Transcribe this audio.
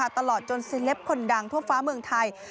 ตลอดจนเซลปคนดังทั่วฟ้าเมืองไทย